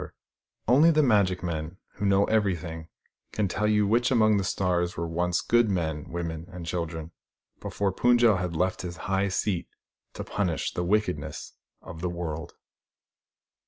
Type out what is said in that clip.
io6 THE STORY OF THE STARS Only the magic men, who know everything, can tell you which among the stars were once good men, women and children, before Fund j el left his high seat to punish the wickedness of the world.